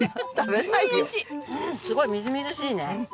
すごいみずみずしいね。